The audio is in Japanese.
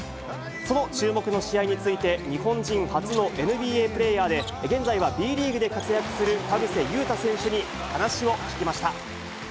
その注目の試合について、日本人初のＮＢＡプレーヤーで、現在はＢリーグで活躍する田臥勇太選手に話を聞きました。